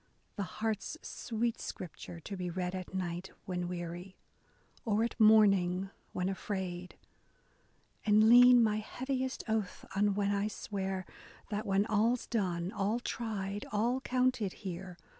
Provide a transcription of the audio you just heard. The heart's sweet scripture, to be read at night When weary, or at morning when afraid, And lean my heaviest oath on when I swear That, when all's done, all tried, all counted here.